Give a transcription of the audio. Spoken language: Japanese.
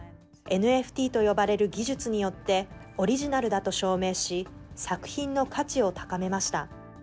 ＮＦＴと呼ばれる技術によって、オリジナルだと証明し、作品の価値を高めました。